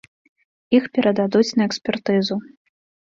Іх перададуць на экспертызу.